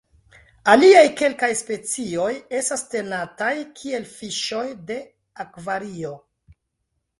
Aliaj kelkaj specioj estas tenataj kiel fiŝoj de akvario.